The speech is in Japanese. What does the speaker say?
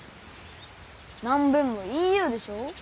何べんも言いゆうでしょう。